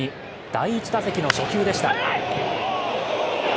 第１打席の初球でした。